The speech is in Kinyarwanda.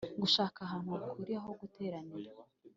gushaka ahantu hakwiriye ho guteranira